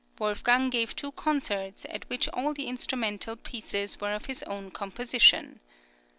Wolfgang gave two concerts at which all the instrumental pieces were of his own composition.